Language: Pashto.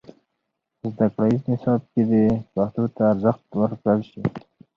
زدهکړیز نصاب کې دې پښتو ته ارزښت ورکړل سي.